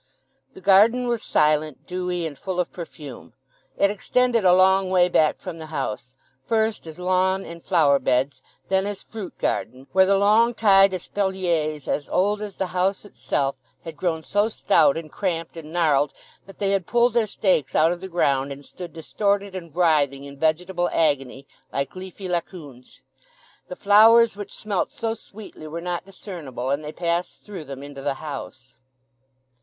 The garden was silent, dewy, and full of perfume. It extended a long way back from the house, first as lawn and flower beds, then as fruit garden, where the long tied espaliers, as old as the old house itself, had grown so stout, and cramped, and gnarled that they had pulled their stakes out of the ground and stood distorted and writhing in vegetable agony, like leafy Laocoons. The flowers which smelt so sweetly were not discernible; and they passed through them into the house.